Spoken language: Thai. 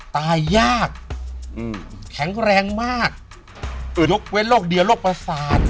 ตายยากแข็งแรงมากลกเว้นลกเดียลกประสาน